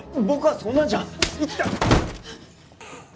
僕はそんなんじゃ。